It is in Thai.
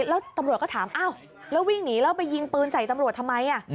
แล้วตำรวจก็ถามอ้าวแล้ววิ่งหนีแล้วไปยิงปืนใส่ตำรวจทำไม